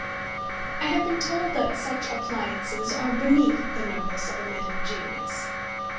I have been told that such appliances are beneath the notice of a man of genius.